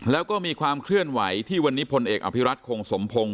แล้วก็มีความเคลื่อนไหวที่วันนี้พลเอกอภิรัตคงสมพงศ์